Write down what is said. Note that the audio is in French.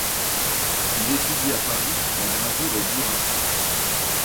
Il étudie à Paris la gravure au burin.